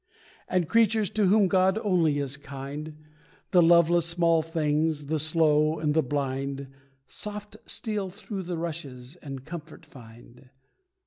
And creatures to whom only God is kind, The loveless small things, the slow, and the blind, Soft steal through the rushes, and comfort find.